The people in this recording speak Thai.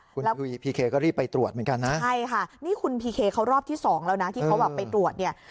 คุณพีเคก็รีบไปตรวจเหมือนกันนะใช่ค่ะนี่คุณพีเคเขารอบที่สองแล้วนะที่เขาแบบไปตรวจเนี่ย